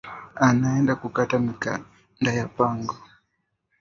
Anaenda kukata mikanda ya pango